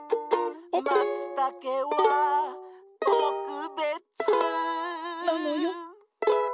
「マツタケはとくべつ」なのよ。